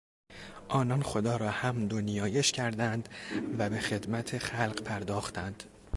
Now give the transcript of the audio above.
آنان خدا را حمد و نیایش کردند و به خدمت خلق پرداختند.